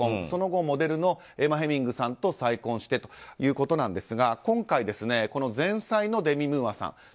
その後モデルのエマ・ヘミングさんと再婚してということなんですが今回、前妻のデミ・ムーアさん